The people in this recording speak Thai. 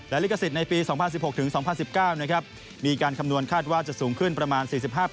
และลิขสิทธิ์ในปี๒๐๑๖ถึง๒๐๑๙มีการคำนวณคาดว่าจะสูงขึ้นประมาณ๔๕